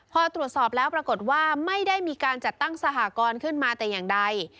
พอตรวจสอบแล้วปรากฏว่าไม่ได้มีการจัดตั้งสหกรณ์ขึ้นมาแต่อย่างใด